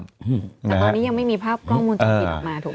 แต่ตอนนี้ยังไม่มีภาพกล้องวงจรปิดออกมาถูกไหม